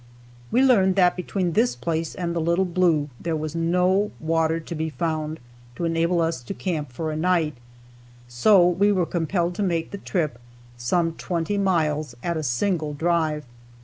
We learned that between this place and the Little Blue, there was no water to be found to enable us to camp for a night, so we were compelled to make the trip some twenty miles at a single drive.